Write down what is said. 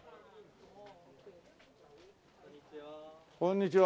こんにちは。